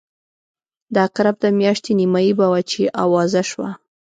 د عقرب د میاشتې نیمایي به وه چې آوازه شوه.